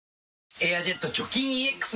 「エアジェット除菌ＥＸ」